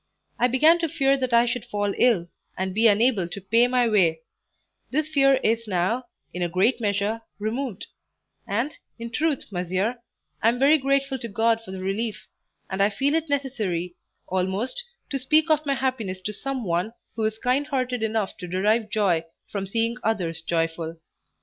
I began to fear that I should fall ill, and be unable to pay my way; this fear is now, in a great measure, removed; and, in truth, monsieur, I am very grateful to God for the relief; and I feel it necessary, almost, to speak of my happiness to some one who is kind hearted enough to derive joy from seeing others joyful.